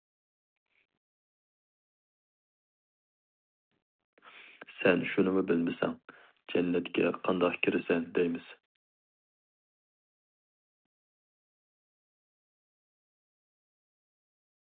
« سەن شۇنىمۇ بىلمىسەڭ، جەننەتكە قانداق كىرىسەن؟» دەيمىز.